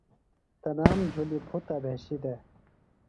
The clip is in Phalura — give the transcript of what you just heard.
تنام جُھلیۡ پُھتہ بھشیۡ دےۡ۔